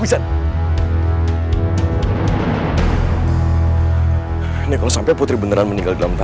ini kalau sampai putri beneran meninggal dalam tanah